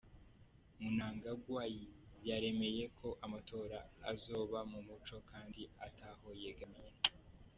Mnangagwa yaremeye ko amatora azo ba mu muco kandi ata ho yegamiye.